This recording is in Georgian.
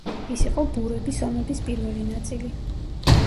ის იყო ბურების ომების პირველი ნაწილი.